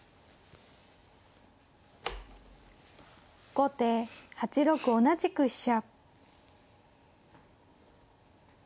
後手８六同じく飛車。